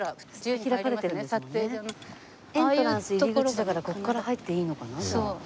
エントランス入り口だからここから入っていいのかな？